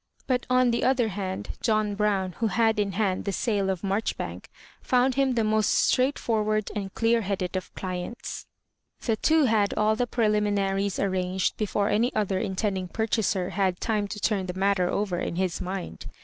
But, on the other hand, John Brown, who had m hand the sale of MaTchbauk, found him the most straightfor ward and clear headed of dients. The two had all the preliminaries arranged before any other intending purchaser had time to turn the mat ter over in his mind.